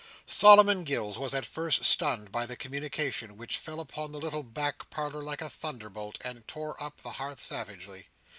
Solomon Gills was at first stunned by the communication, which fell upon the little back parlour like a thunderbolt, and tore up the hearth savagely.